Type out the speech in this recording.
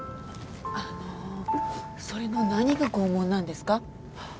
あのそれの何が拷問なんですか？